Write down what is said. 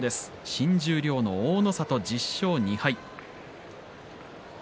新十両の大の里、１０勝２敗。